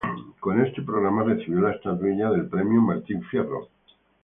Con este programa recibió la estatuilla del premio Martín Fierro.